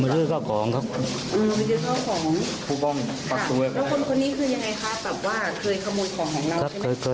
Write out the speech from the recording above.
เราก็ควรไปตามเจอ